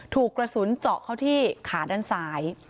ถูกกระสุนเจาะเข้าที่ขาด้านซ้าย